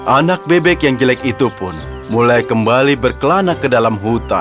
anak bebek yang jelek itu pun mulai kembali berkelana ke dalam hutan